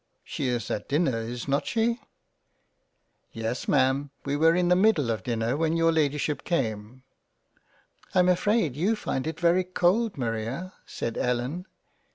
She is at dinner is not she ?"" Yes Ma'am we were in the middle of dinner when your Ladyship came." " I am afraid you find it very cold Maria." said Ellen.